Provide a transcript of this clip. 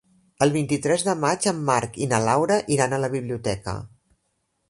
El vint-i-tres de maig en Marc i na Laura iran a la biblioteca.